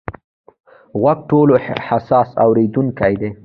غوږ ټولو حساس اورېدونکی دی.